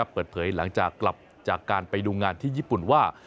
เปิดเผยหลังจากกลับจากการไปดูงานที่ญี่ปุ่นว่า